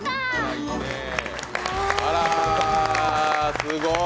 すごーい。